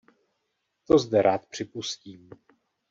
To zde rád připustím.